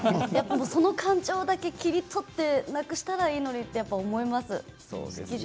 その感情だけ切り取ってなくしたらいいのにと思います。